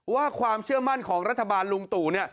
ความเชื่อมั่นของรัฐบาลลุงตู่เนี่ย